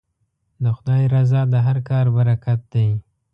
د خدای رضا د هر کار برکت دی.